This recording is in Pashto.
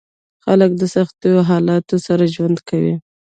خلک د سختو حالاتو سره ژوند کوي.